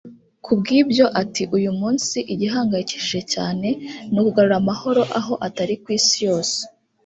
Kubw’ibyo ati “ Uyu munsi igihangayikishije cyane ni ukugarura amahoro aho atari ku Isi yose